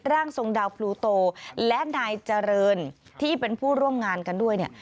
ร่างทรงดาวพลูโตและนายเจริญที่เป็นผู้ร่วมงานกันด้วยเนี่ย